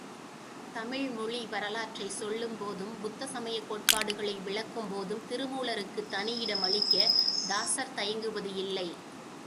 தமிழ்மொழி வரலாற்றைச் சொல்லும்போதும், புத்த சமயக் கோட்பாடுகளை விளக்கும்போதும் திருமூலருக்குத் தனியிடம் அளிக்கத் தாசர் தயங்குவது இல்லை.